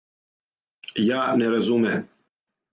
Ја не разуме.